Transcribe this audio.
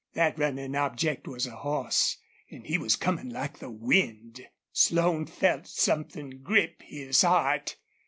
That running object was a horse and he was coming like the wind. Slone felt something grip his heart.